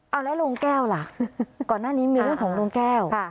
เอาแล้วโรงแก้วล่ะก่อนหน้านี้มีเรื่องของโรงแก้ว